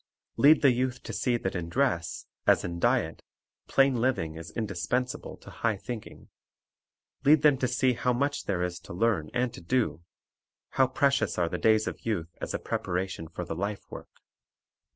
Lead the youth to see that in dress, as in diet, plain living is indispensable to high thinking. Lead them to see how much there is to learn and to do; how precious are the days of youth as a preparation for the life work.